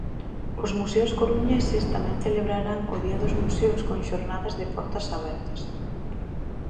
Os museos coruñeses tamén celebrarán o día dos Museos con xornadas de portas abertas.